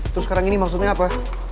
terus sekarang ini maksudnya apa